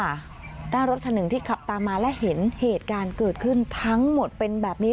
หน้ารถคันหนึ่งที่ขับตามมาและเห็นเหตุการณ์เกิดขึ้นทั้งหมดเป็นแบบนี้